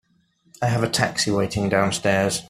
I have a taxi waiting downstairs.